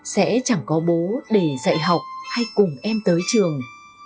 sẽ chẳng có bố để dạy học hay cùng em tới trường